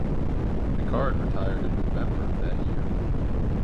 Pickard retired in November of that year.